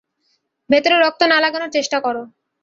ভেতরে রক্ত না লাগানোর চেষ্টা কোরো।